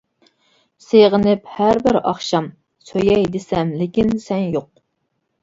سېغىنىپ ھەر بىر ئاخشام، سۆيەي دېسەم لېكىن سەن يوق.